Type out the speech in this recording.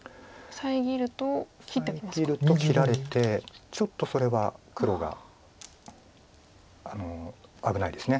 遮ると切られてちょっとそれは黒が危ないです。